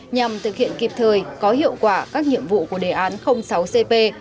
nhằm thực hiện kịp thời có hiệu quả các nhiệm vụ của đề án sáu cp